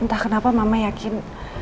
entah kenapa mama yakin